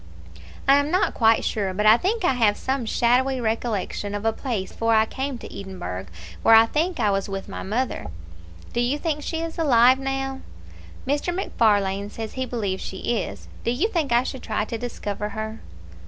"I am not quite sure; but I think I have some shadowy recollection of a place before I came to Edinburgh, where I think I was with my mother." "Do you think she is alive now?" "Mr. MacFarlane says he believes she is. Do you think I should try to discover her?"